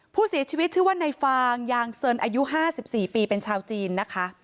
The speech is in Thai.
ผู้เสียชีวิตชื่อว่าในฟางยางเซินอายุ๕๔ปีเป็นชาวจีนนะคะ